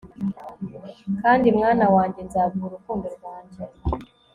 kandi mwana wanjye nzaguha urukundo rwanjye